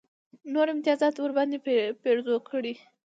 نور امتیازات ورباندې پېرزو کړي.